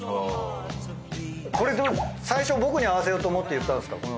これ最初僕に合わせようと思って言ったんですか？